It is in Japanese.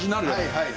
はい。